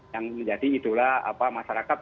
yang menjadi idola masyarakat